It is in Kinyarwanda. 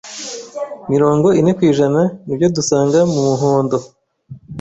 Mirongo ine kw’ijana nibyo dusanga mu muhondo